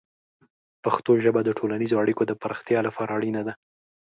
پښتو ژبه د ټولنیزو اړیکو د پراختیا لپاره اړینه ده.